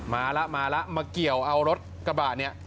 มาแล้วมาแล้วมาเกี่ยวเอารถกระบะเนี่ย